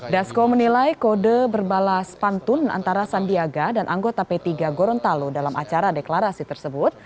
dasko menilai kode berbalas pantun antara sandiaga dan anggota p tiga gorontalo dalam acara deklarasi tersebut